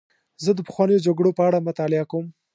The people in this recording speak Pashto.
زه د پخوانیو جګړو په اړه مطالعه کوم.